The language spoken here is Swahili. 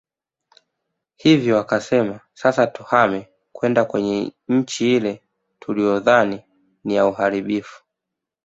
Hivyo wakasema sasa tuhame kwenda kwenye nchi ile tuliyodhani ni ya uharibifu